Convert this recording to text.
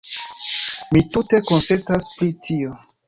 Mi tute konsentas pri tio.